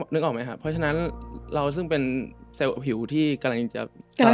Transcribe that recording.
นึกออกไหมครับเพราะฉะนั้นเราซึ่งเป็นเซลล์ผิวที่กำลังจะ